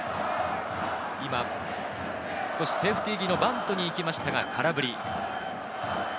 今少しセーフティー気味のバントに行きましたが空振り。